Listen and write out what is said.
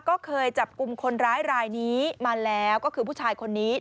ก็เคยจับกลุ่มคนร้ายรายนี้มาแล้วก็คือผู้ชายคนนี้